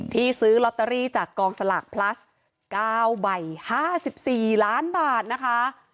ซื้อลอตเตอรี่จากกองสลากพลัส๙ใบ๕๔ล้านบาทนะคะ